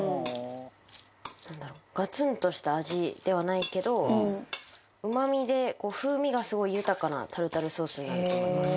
なんだろうガツンとした味ではないけどうまみで、風味がすごい豊かなタルタルソースになると思います。